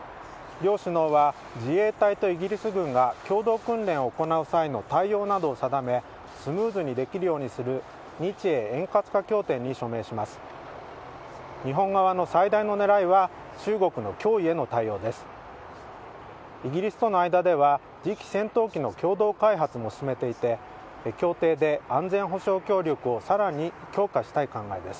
両首脳は、自衛隊とイギリス軍が共同訓練を行う際の対応などを定めスムーズにできるようにする日英円滑化協定に署名します。